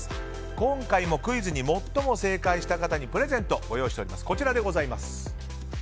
今回もクイズに最も正解した方にプレゼントご用意しております。